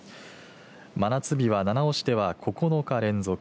真夏日は七尾市では９日連続